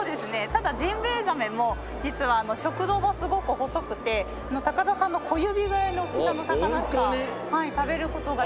ただジンベエザメも実は食道がすごく細くて高田さんの小指ぐらいの大きさの魚しか食べる事ができない。